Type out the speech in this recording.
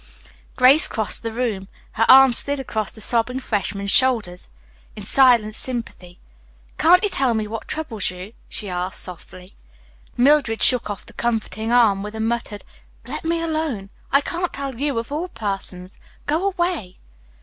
Grace crossed the room. Her arm slid across the sobbing freshman's shoulders in silent sympathy. "Can't you tell me what troubles you?" she asked softly. Mildred shook off the comforting arm with a muttered: "Let me alone. I can't tell you, of all persons. Go away."